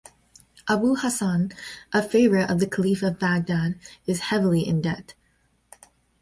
Abu Hassan, a favorite of the Caliph of Baghdad, is heavily in debt.